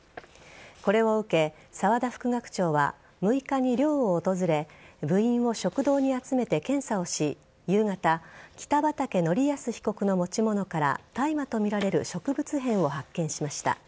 これを受け沢田副学長は６日に寮を訪れ部員を食堂に集めて検査をし夕方北畠成文被告の持ち物から大麻とみられる植物片を発見しました。